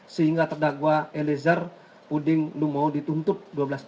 sehingga terdakwa eliezer puding limau dituntut kembali ke masyarakat